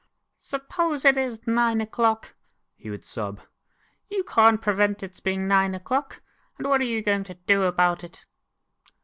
"Suppose it is nine o'clock," he would sob; you can't prevent its being nine o'clock, and what are you going to do about it?"